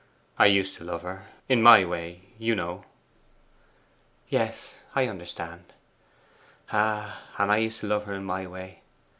I used to love her in my way, you know.' 'Yes, I understand. Ah, and I used to love her in my way.